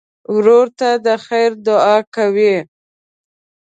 ورور ته د خیر دعا کوې.